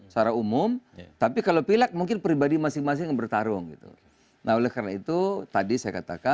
cukup tinggi agar bisa mendongkrak